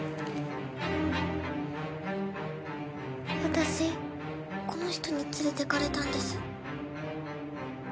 私この人に連れてかれたんです。